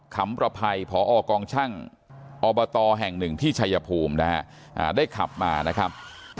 คำประภัยพอกองช่างอบตแห่งหนึ่งที่ชายภูมินะฮะได้ขับมานะครับ